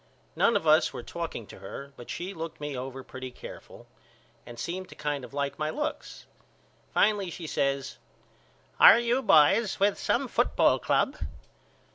None of us were talking to her but she looked me over pretty careful and seemed to kind of like my looks. Finally she says Are you boys with some football club?